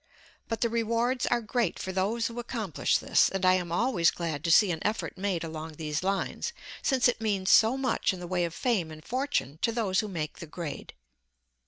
But the rewards are great for those who accomplish this, and I am always glad to see an effort made along these lines, since it means so much in the way of fame and fortune to those who make the grade.